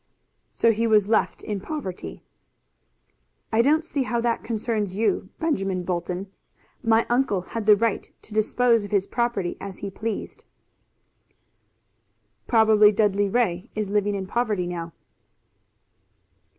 "So he was left in poverty." "I don't see how that concerns you, Benjamin Bolton. My uncle had the right to dispose of his property as he pleased." "Probably Dudley Ray is living in poverty now."